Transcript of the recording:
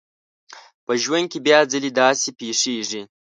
په ژوند کې بيا ځلې داسې پېښېږي.